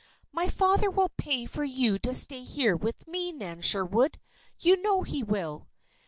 "My father will pay for you to stay here with me, Nan Sherwood. You know he will."